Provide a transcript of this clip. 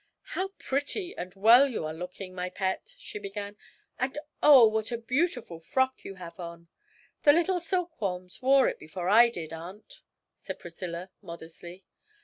'How pretty and well you are looking, my pet!' she began, 'and oh, what a beautiful frock you have on!' 'The little silkworms wore it before I did, aunt,' said Priscilla, modestly.